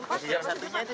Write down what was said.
ada empat ya